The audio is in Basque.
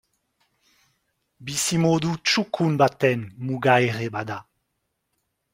Bizimodu txukun baten muga ere bada.